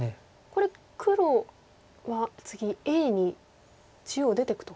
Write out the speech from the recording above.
これ黒は次Ａに中央出ていくと。